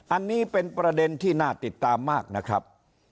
อันนี้เป็นประเด็นที่น่าติดตามมากนะครับ